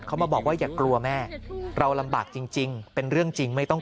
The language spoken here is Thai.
เขามาบอกว่าอย่ากลัวแม่เราลำบากจริงเป็นเรื่องจริงไม่ต้อง